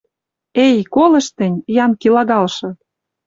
Эй, колышт тӹнь, янки лагалшы!